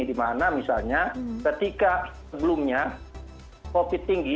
dimana misalnya ketika sebelumnya covid tinggi